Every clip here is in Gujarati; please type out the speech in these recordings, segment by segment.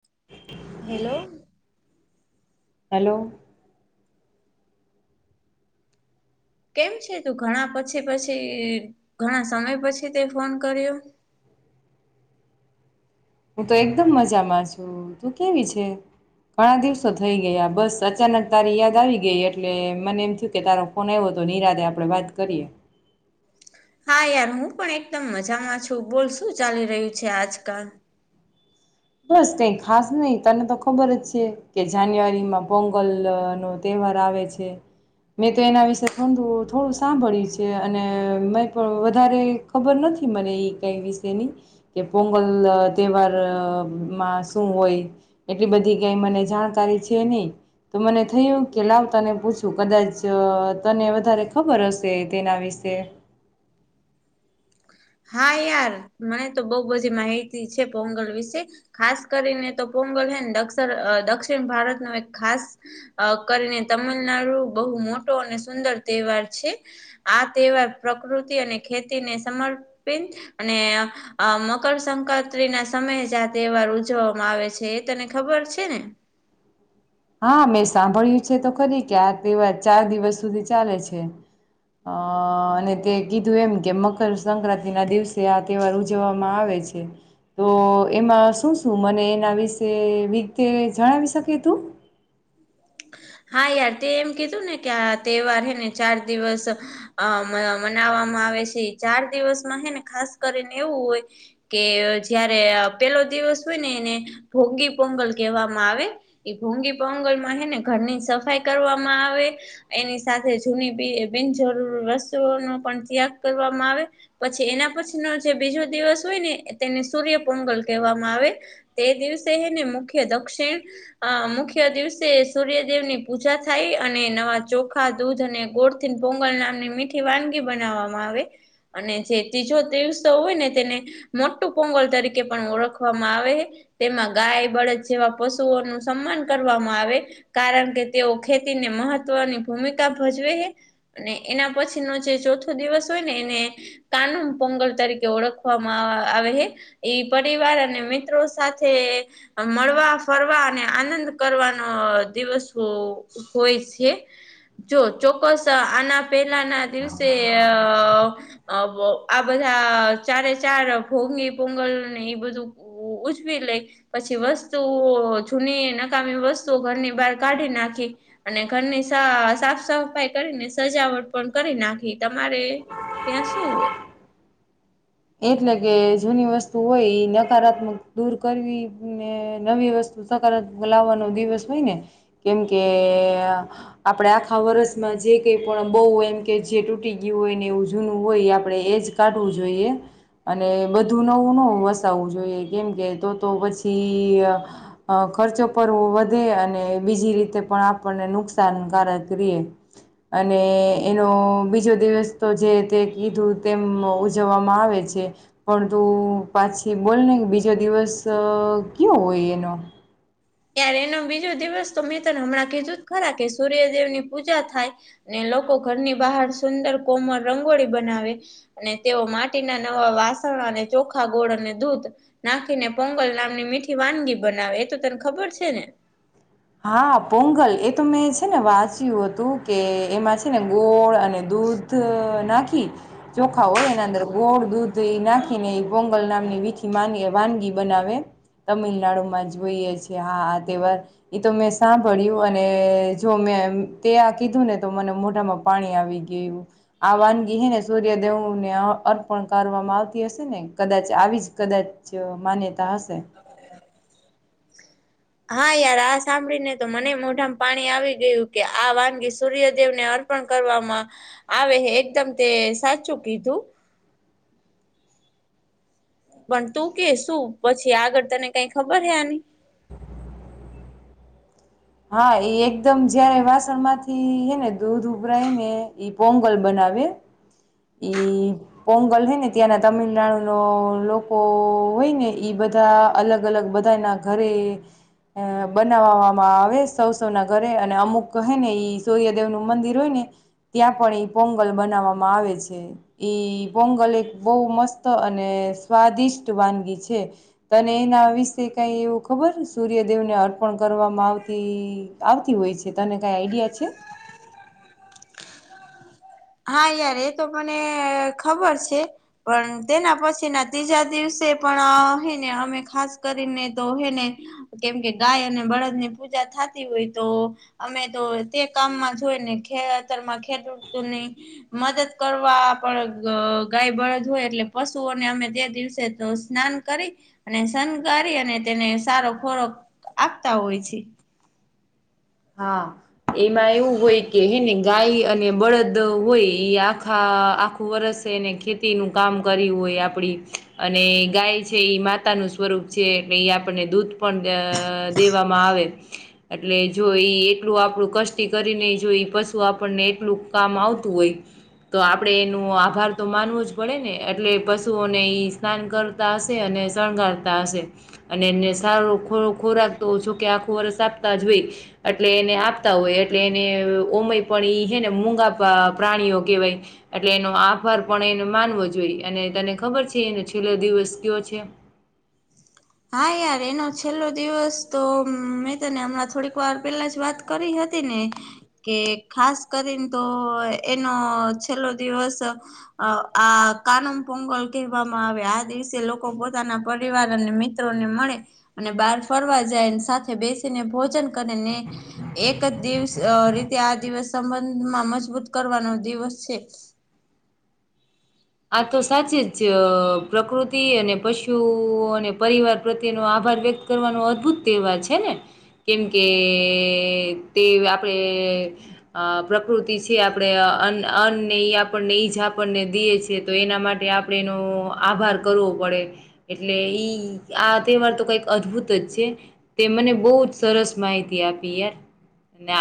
[inaudible] હેલો. હેલો. કેમ છે તું ઘણા પછી પછી ઘણા સમય પછી તે ફોન કર્યો [inaudible] હું તો એકદમ મજામાં છુ. તું કેવી છે? ઘણા દિવસો થઈ ગયા બસ અચાનક તારી યાદ આવી ગઈ એટલે મને એમ થયું કે તારો ફોન આવ્યો તો નિરાદે આપડે વાત કરીએ. હા યાર હું પણ એકદમ મજામાં છું બોલ શું ચાલી રહ્યું છે આજકાલ? બસ કઈ ખાસ નહી તને તો ખબર જ છે કે જાન્યુઆરીમાં પોંગલ નો તહે વાર આવેે છે. મેં તો એના વિશે ખોંધું થોડું સાંભળ્યું છે અને મેં પણ વધારે ખબર નથી. મને એ કઈ વિશેની કે પોંગલ તહેવાર માં શું હોય એટલી બધી કઈ મને જાણકારી છે નઈ. તો મને થયું કે લાવ તને પૂછું કદાચ તને વધારે ખબર હશે તેના વિશે. છે. [inaudible] હા યાર મને તો બહુ બધી માહિતી છે. પોંગલ વિશે ખાસ કરીને તો પોંગલ દક્ષિણ ભારત નો એક ખાસ કરીને તમિલનાડુ બહુ મોટો અને સુંદર તહેવાર છે. આ તહેવાર પ્રકૃતિ અને ખેતીને સમર્ અને મકરસંક્રાંતિ ના સમયે જ આ તહેવાર ઉજવવામાં આવે છે. તે તનેખબર છે ને? હા મેં સાંભળ્યું છે તો ખરી કે આ તહેવાર ચાર દિવસ સુધી ચાલે છે. અ અને તે કીધું એમ કે મકરસક્રાંતિ ના દિવસે આ તહેવાર ઉજવવામાં આવે છે. તો એમાં શું શું મને એના વિશે રીતે જણાવી શકી તું? હા યાર તે એમ કીધું ને કે આ તહેવાર હે ને ચાર દિવસ અ મનાવામાં આવે છે ચાર દિવસમાં હે ને ખાસ કરીને એવું હોય કે જયારે પેલો દિવસ હોય ને એને ભોંગી પોંગલ કહેવામાં આવે એ ભોંગી પોંગલ માં હે ને ઘરની સફાઈ કરવામાં આવે એની સાથે જૂની બિનજરૂરી વસ્તુઓનો પણ ત્યાગ કરવામાં આવે પછી એના પછી ન જે બીજો દિવસ હોય ને તેને સૂર્યપંગલ કહેવામાં આવે તે દિવસે એને મુખ્ય દક્ષિણ મુખ્ય દિવસે સૂર્યદેવની પૂજા થાય અને નવા ચોખા દૂધ અને ગોળથીન પોંગલ નામની મીઠી વાનગી વામાં આવે અને જે ત્રીજો તીસ હોય ને તેને મોટું પોંગલ તરીકે પણ ઓળખવામાં આવે તેમાં ગાય બળદ જેવા પશુઓ ન સન્માન કરવામાં આવે કારણ કે તેઓ ખેતી ને મહત્વની ભૂમિકા ભજવે અને એના પછી નો જે ચોો દિવસ હોય ને એને કાનુ પંગળ તરીકે ઓળખવામાં આવે છે એ પ પરિવાર અને મિત્રો સાથે મળવા ફરવા અને આનંદ કરવાનો દિવસ હોય છે જો ચોક્કસ આના પહેલાના દિવસે આ બધા ચારે ચાર ભોંગી પોંગલ ને બધું ઉજવી લઈ પછી વસ્તુઓ જૂની નકામી વસ્તુઓ ઘરની બાર કાઢી નાખી અને ઘરની સાફ સફાઈ કરીને સજાવટ પણ કરી નાખી તમારે ત્યાં શું હોય એટલે કે જૂની વસ્તુ હોય એ નકારાત્મક દૂર કરવી ને નવી વસ્તુ સકારાત્મક લાવવાનો દિવસ હોય ને કેમકે આપડે આખા વર્ષમાં જે કઈ પણ બહુ એમ કે જે તૂટી ગયું હોય ને એવું જૂનું હોય આપણે એજ કાઢવું જોઈએ અને બધું નવું ન વસાવવું જોઈએ કેમ કે તો તો પછી ખર્ચો પરવો વધે અને બીજી રીતે પણ આપણને નુકસાનકારક ર અને એનો બીજો દિવસ તો જે તે કીધું તેમ ઉજવવામાં આવે છે પણ તું પાછી બોલને બીજો દિવસ કયો હોય એનો તાર એનો બીજો દિવસ તો મેં તને હમણાં કીધું જ ખરા કે સૂર્યદેવ ની પૂજા થાય ને લોકો ઘરની બહાર સુંદર કોમર રંગોળી બનાવે અને તેઓ માટીના નવા વાસણ અને ચોખા ગોળ અને દૂધ નાખીને પોંગલ નામની મીઠી વાનગી બનાવે એ તો. ખબર છે ને. હા પોંગલ એ તો મેં છે ને વાંચ્યું હતું કે એમાં છે ને ગોળ અને. દૂધ નાખી ચોખા હોય એના અંદર ગોળ દૂધ. નાખીને એ ગોંગલ નાખ. વાનગી બનાવે તમિલનાડુ માં જોઈએ છે હા આ તહેવાર. એ તો મેં સાંભળ્યું અને જો મેં તે આ કીધું ને તો મને મોઢામાં પાણી આવી. આ વાનગી હને સૂર્ય દેવને અર્પણ કરવામાં આવતી હશે ને કદાચ. આવી જ કદાચ માન્યતા હશે. હા યાર આ સાંભળીને તો મને મોઢામાં પાણી આવી ગયું કે આ વાનગી સૂર્યદેવ ને અ. કરવામાં આવે એકદમ તે સાચું કીધું. પણ તું કે શું પછી આગળ તને કઈ ખબર હે આની. હા એકદમ જયારે વાસણ માંથી હેને દૂધ ઉભરાય ને ઈ પોંગલ બનાવે. આવે. ઈ પોંગલ હોય ને ત્યાંના તમિલનાડુ ન લોકો હોય ને ઈ બધા. બધા અલગ અલગ બધાના ઘરે. અ બનાવવામાં આવે સૌ સૌ ના ઘરે અને અમુક કહે ને ઈ સૂર્યદેવ નું મંદિર હોય ને. ત્યાં પણ એ પોંગલ બનાવવામાં આવે છે. પોંગલ એક બહુ મસ્ત અને સ્વાદિષ્ટ વાનગી છે. તને એના વિશે કઈ એવું ખબર સૂર્યદેવને અર્પણ કરવામાં આવતી આવતી હોય. તને કઈ આઈડિયા છે. હા યાર એ તો મને ખબર છે પણ તેના પછી ના ત્રીજા દિવસે. પણ હને અમે ખાસ કરીને તો હેને કેમ કે ગાય અને બળદ ની પૂજા. થતી હોય તો અમે તો તે કામમાં જોય ને ખેતર માં ખેડૂતની. મદદ કરવા પણ ગાય બળદ હોય એટલે પશુઓને અમે તે દિવસે. સ્નાન કરી અને શણગ અને તેને સારો ખોરોક. આપતા હોય છે. હા એમાં એવું હોય કે હેને ગાય અને બળદ હોય એ આખા. આખું વર્ષ એને ખેતી નું કામ કર્યું હોય આપડી અને ગાય છે માતા. સ્વરૂપ છે એટલે એ આપને દૂધ પણ દેવામાં આવે એટલે. જોઈ એટલું આપણું કષ્ટી કરી નને જોઈ પશુ આપણને એટલું કામ આવતું હોય. તો આપડે એનો આભાર તો માનવો જ પડે ને એટલે પશુઓને ઈ સ્નાન કરતા હશે અને. શણગારતા હશે અને એને સારો ખોરાક તો જોકે આખું વર્ષ આપતા જ હોઈ. એટલે એને આપતા હોય એટલે એને ઉમય પણ એ છે ને મૂગા પ્રાણીઓ કહેવાય. એટલે એનો આભાર પણ એને માનવો જોઈએ અને તને ખબર છે એનો છેલ્લો દિવસ કયો છે. [inaudible] હા યાર એનો છેલ્લો દિવસ તો મેં તને હમણાં થોડીક વાર પેલા જ વાત કરી હતી. ને કે ખાસ કરીને તો એનો છેલ્લો દિવસ. અ આ કાનમ પોંગલ કહેવામાં આવે આ દિવસે લોકો પોતાના પરિવાર અને મિત્ર. મળે અને બહાર ફરવા જાય સાથે બેસીને ભોજન કરેને એક. દિવસ રીતે આ દિવસ સંબંધમાં મજબૂત કરવાનો દિવસ છે. આ તો સાચી જ પ્રકૃતિ અને પશુ અને પરિવાર પ્રત્યેનો આભ. આભાર વ્યક્ત કરવાનો અદભુત તહેવાર છે ને. કેમ કે તે આપડે પ્રકૃતિ છે આપણેે. અને આપણને ઈજા આપણને દએ છેી. તો એના માટે આપડે એનો આભાર કરવો પડે એટલે ઈ આ તહેવાર તો. કઈક અદભુત જ છે તે મને બહુ જ સરસ માહિતી આપી યાર.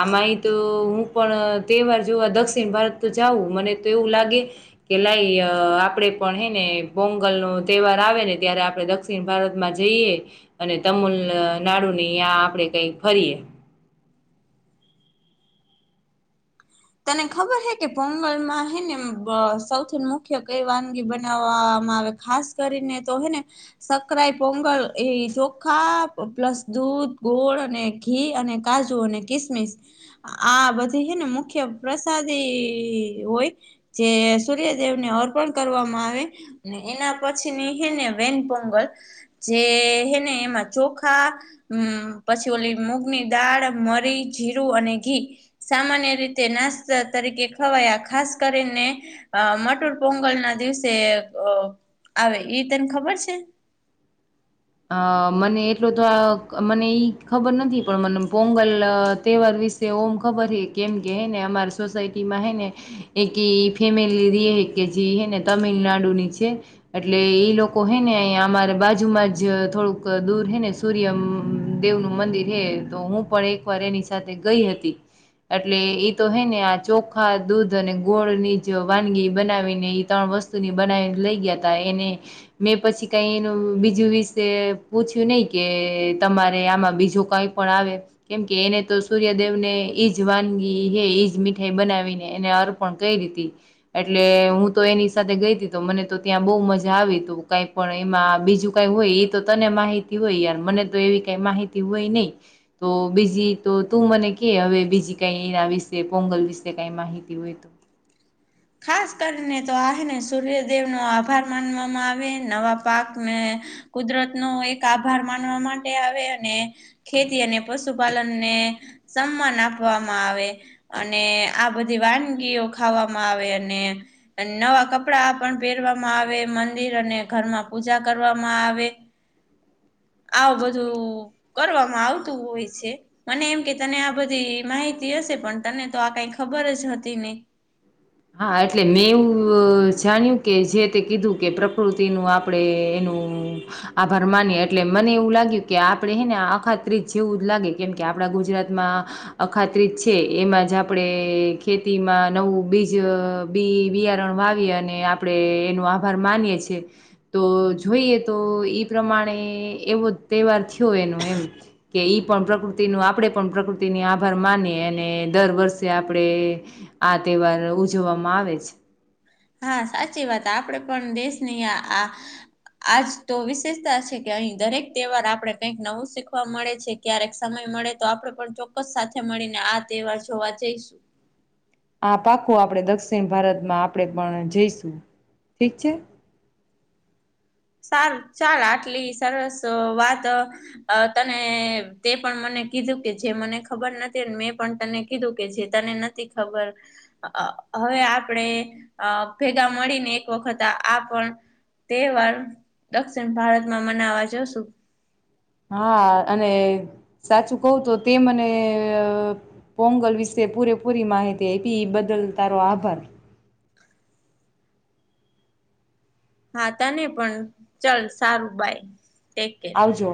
આમાંય તો હું પણ તહેવાર જોવા દક્ષિણ ભારત જાઉં મને તો એવું લાગે. કેલાય. અ આપણેે પણ હે ને પોંગલ નો તહેવાર આવે ને ત્યારે આપણે દક્ષિણ ભારતમાં જઈએ. અને તમિલ નાડુ ની આપડે કઈક ફરીએે તને ખબર હે કે પોંગલ માં હે ને સૌથી મુખ્ય કઈ વાનગી બનાવવા આવે ખાસ કરીને તો હે ને સકરાઈ પોંગલ એ ચોખા પ્લસ દૂધ ગોળ અને ઘી અને કાજુ અને કિસમિસ આ બધી છે ને મુખ્ય મુખ્ય પ્રસાદી હોય જે સૂર્યદેવ ને અર્પણ કરવામાં આવે એના પછી ની હે ને વેનપોંગલ જે હે ને એમાં ચોખા હ પછી ઓલી મૂગની દાળ મરી જીરું અને ઘી સામાન્ય રીતે તે નાસ્તા તરીકે ખવાયા ખાસ કરીને અ મટુર પોંગલ ના દિવસે અ આવે ઈ તને ખબર છે અ મને એટલોું તો આ મને ઈ ખબર નથી પણ મને પોંગલ તહેવાર મ ખબર કેમ કેને અમારી સોસાયટીમાં હે ને એક ફેમિલી ર કે જે હેને તમિલનાડુ ની છે એટલે એ લોકો હે ને અ અમારે બાજુમાં થોડુંક દૂર હે ને સૂર્ય દેવ નું મંદિર હે તો હું પણ એક વાર એની સાથે ગઈ હતી એટલે એ તો હે ને આ ચોખા દૂધ અને ગોળ ની જ વાનગી બનાવીને ત્રણ વસ્તુની બનાવી લઈ ગયા ત એને મેં પછી કઈ એનું બીજું વીસ પૂછ્યું નહી કે તમારે આમાં બીજું કઈ પણ આવે કેમ કે એને તો સૂર્ય દેવ ને ઈજ વાનગી હે ઈજ મીઠાઈ બનાવીને એને અર્પણ કરીી હતી એટલે હું તો એની સાથે ગઈ હતી તો મને તો ત્યાં બહુ મજા આવી તું કઈ પણ એમાં બીજું કઈ હોય તો તને માહિતી હોય યાર મને તો એવી કઈ માહિતી હોય નહીિ તો બીજી તો તું મને કે હવે બીજી કઈ એના વિશે પોંગલ વિશે કઈ માહિતી હોય તો હ ખાસ કરીને તો આ ને સૂર્યદેવ નો આભાર માનવામાં આવે નવા પાકને કુદરત નો એક આભાર માનવા માટે આવે અને ખેતી અને પશુપાલનને સમાન આપવામાં આવે અને આ બધી વાનગીઓ ખાવામાં આવે નવા કપડા પણ પહેરવામાં આવે મંદિર અને ઘરમાં પૂજા કર કરવામાં આવે આવ બધું કરવામાં આવતું હોય છે મને એમ કે તને આ બધી માહિતી હશે પણ તને તો આ કઈ ખબર જ હતી નને હા એટલે મેં એવું જાણ્યું કે જે તે કીધું કે પ્રકૃતિનું આપણે એનું આભાર માની એટલે મને એવું લાગ્યું કે આપડે હે ને અખાત્રીજ જેવું જ લાગે કેમ કે આપણા ગુજરાતમાં અખાત્રિત છે એમાં જ આપણે ખેતીમાં નવું બી બી બિયારણ વાવી અને આપણે એનો આભાર માનીએ છીએ તો જો જોઈએ તો ઈ પ્રમાણે એવો તહેવાર થયો એનું એમ કે ઈ પણ પ્રકૃતિ આપે પણ પ્રકૃતિની આભાર માની અને દર વર્ષે આપણેે આ તહેવાર ઉજવવામાં આવે છે હા સાચી વાત આપડે પણ દેશની આ આજ તો વિશેષતા છે કે અહી દરેક તહેવાર આપડે કઈક નવું શીખવા મળે છે ક્યારેક સમય મળે તો આપે પણ ચોક્કસ સાથે મળીને આ તહેવાર જોવા જઈશું આ પાકો આપણે દક્ષિણ ભારતમાં આપણે પણ જઈશું ઠીક છે [inaudible] સારું ચાલ આટલી સરસ વાત તને તે પણ મને કીધું કે જે મને ખબર નથી મેં પણ તને કીધું કે જે તને નથી ખબર હવે આપણેે ભેગા મળીને એક વખત આ પણ તહેવાર દક્ષિણ ભારતમાં મનાવા જશું હા અને સાચું કવ તો તે મને પોંગલ વિશે પૂરેપૂરી માહિતી પી બદલ તારો આભાર હા તને પણ ચલ સારું બાય ટેક કેર આવજો